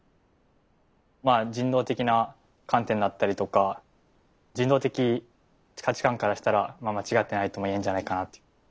まあ人道的な観点だったりとか人道的価値観からしたら間違ってないともいえるんじゃないかなと。